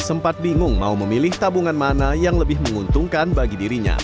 sempat bingung mau memilih tabungan mana yang lebih menguntungkan bagi dirinya